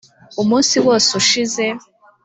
umunsi wose ushize,